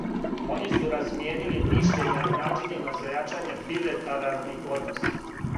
Они су размијенили мишљења о начинима за јачање билатералних односа.